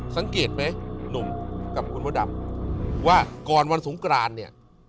สังเกตไหมหนุ่มกับคุณพ่อดำว่าก่อนวันสงกรานเนี่ย